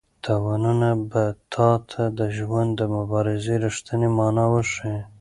تاوانونه به تا ته د ژوند د مبارزې رښتینې مانا وښيي.